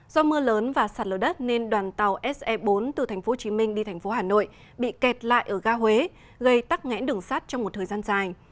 do mưa lớn và sạt lở đất nên đoàn tàu se bốn từ tp hcm đi tp hcm bị kẹt lại ở ga huế gây tắc ngẽn đường sát trong một thời gian dài